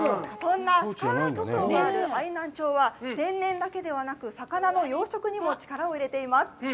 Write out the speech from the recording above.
そんな愛南町は、愛南町は天然だけではなく、魚の養殖にも力を入れています。